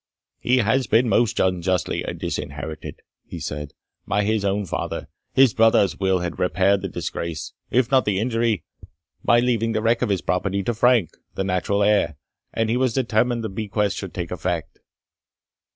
"He had been most unjustly disinherited," he said, "by his own father his brother's will had repaired the disgrace, if not the injury, by leaving the wreck of his property to Frank, the natural heir, and he was determined the bequest should take effect."